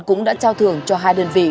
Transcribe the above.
cũng đã trao thưởng cho hai đơn vị